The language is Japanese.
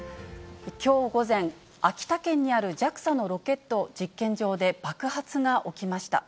きょう午前、秋田県にあるＪＡＸＡのロケット実験場で爆発が起きました。